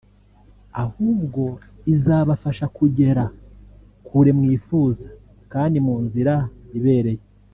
ahubwo izabafasha kugera kure mwifuza kandi mu nzira ibereye”